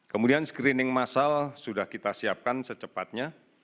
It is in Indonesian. kemudian screening masal sudah kita siapkan secepatnya